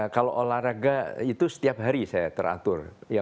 kalau olahraga itu setiap hari saya teratur